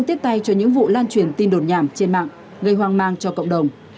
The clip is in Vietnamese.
tiết tay cho những vụ lan truyền tin đột nhảm trên mạng gây hoang mang cho cộng đồng